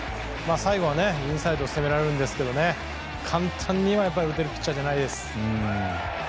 最後はインサイドを攻められるんですが簡単には打てるピッチャーじゃないです。